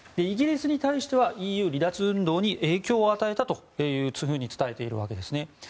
イギリスに対してはＥＵ離脱運動に影響を与えたと伝えているんですね。